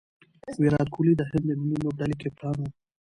ویرات کهولي د هند د ملي لوبډلي کپتان وو.